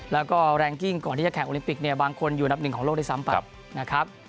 แล้วก็แรงกิ้งก่อนที่จะแขกโอลิมปิกบางคนอยู่นับหนึ่งของโลกได้ซ้ำป่ะ